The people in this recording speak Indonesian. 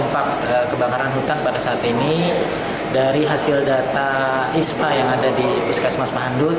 untuk dampak kebakaran hutan pada saat ini dari hasil data ispa yang ada di poskes mas pahandut